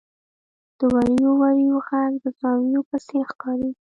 • د وریو وریو ږغ د څارويو په څېر ښکاري.